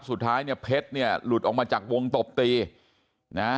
สุดท้ายเนี่ยเพชรเนี่ยหลุดออกมาจากวงตบตีนะฮะ